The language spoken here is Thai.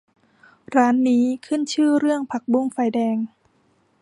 ร้านนี้ขึ้นชื่อเรื่องผักบุ้งไฟแดง